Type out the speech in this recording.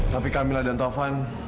tapi camilla dan taufan